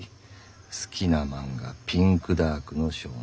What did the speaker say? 好きな漫画ピンクダークの少年。